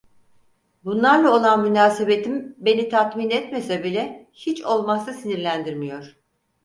Bunlarla olan münasebetim beni tatmin etmese bile hiç olmazsa sinirlendirmiyor.